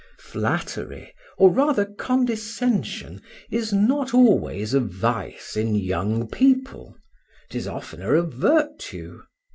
Flattery, or rather condescension, is not always a vice in young people; 'tis oftener a virtue.